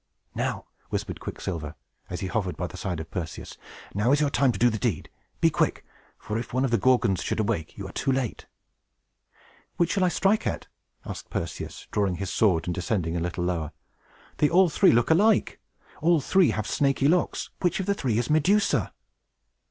"Now," whispered Quicksilver, as he hovered by the side of Perseus, "now is your time to do the deed! Be quick; for, if one of the Gorgons should awake, you are too late!" "Which shall I strike at?" asked Perseus, drawing his sword and descending a little lower. "They all three look alike. All three have snaky locks. Which of the three is Medusa?"